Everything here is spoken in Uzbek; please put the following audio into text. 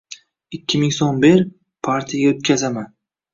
Ikki ming so‘m ber, partiyaga o‘tkazaman